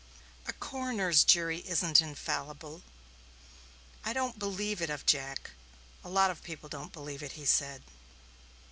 "A coroner's jury isn't infallible. I don't believe it of Jack a lot of people don't believe it," he said.